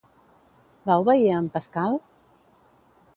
Va obeir a en Pascal?